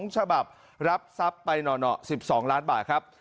๒ฉบับรับทรัพย์ไปหน่อ๑๒ล้านบาทครับ